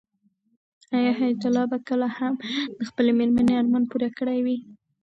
آیا حیات الله به کله هم د خپلې مېرمنې ارمان پوره کړی وي؟